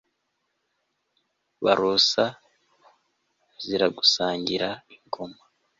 barosa ziragusanganira ingoma